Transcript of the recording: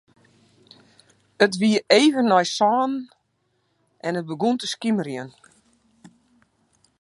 It wie even nei sânen en it begûn te skimerjen.